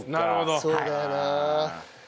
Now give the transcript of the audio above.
そうだよな。